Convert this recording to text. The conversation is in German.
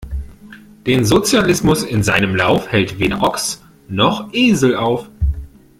Den Sozialismus in seinem Lauf, hält weder Ochs noch Esel auf!